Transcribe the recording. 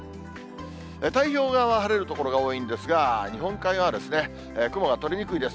太平洋側は晴れる所が多いんですが、日本海側は雲が取れにくいです。